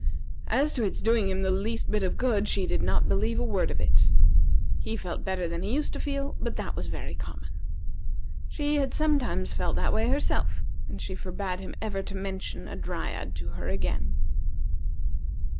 As to its doing him the least bit of good, she did not believe a word of it. He felt better than he used to feel, but that was very common. She had sometimes felt that way herself, and she forbade him ever to mention a Dryad to her again.